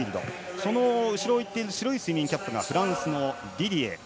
その後ろをいく白いスイミングキャップがフランスのディディエ。